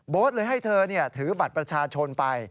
เลยให้เธอถือบัตรประชาชนไป